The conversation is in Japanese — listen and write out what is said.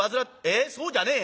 そうじゃねえ？